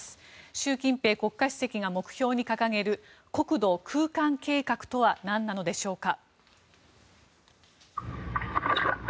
習近平国家主席が目標に掲げる国土空間計画とはなんなのでしょうか。